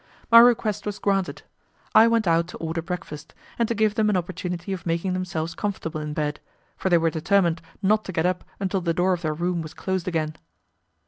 My request was granted; I went out to order breakfast, and to give them an opportunity of making themselves comfortable in bed, for they were determined not to get up until the door of their room was closed again.